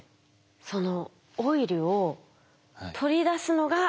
そのオイルを取り出すのが大変。